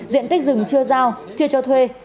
diện tích rừng chưa giao chưa cho thuê